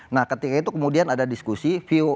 nah ketika itu kemudian ada diskusi view